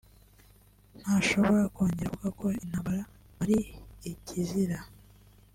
ntashobora kongera kuvuga ko ”intambara ari ikizira”